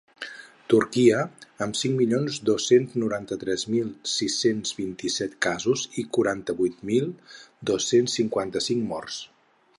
Turquia, amb cinc milions dos-cents noranta-tres mil sis-cents vint-i-set casos i quaranta-vuit mil dos-cents cinquanta-cinc morts.